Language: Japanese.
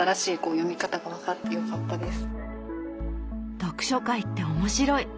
読書会って面白い！